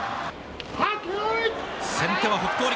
先手は北勝力。